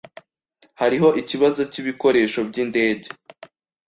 Hariho ikibazo cyibikoresho byindege.